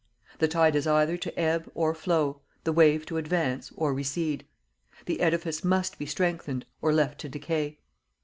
The tide has either to ebb or flow, the wave to advance or recede. The edifice must be strengthened or left to decay.